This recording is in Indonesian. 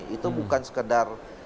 itu bukan sekedar